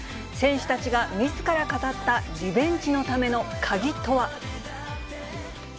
選手たちがみずから語った、リベンジのための鍵とは。